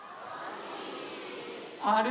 あれ？